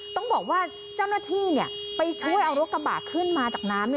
ต้องบอกว่าเจ้าหน้าที่ไปช่วยเอารถกระบะขึ้นมาจากน้ำ